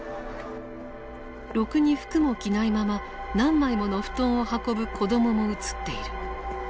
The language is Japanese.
ろくに服も着ないまま何枚もの布団を運ぶ子供も映っている。